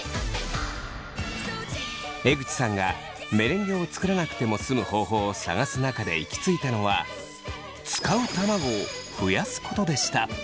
江口さんがメレンゲを作らなくても済む方法を探す中で行き着いたのは使う卵を増やすことでした。